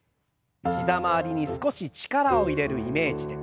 膝周りに少し力を入れるイメージで。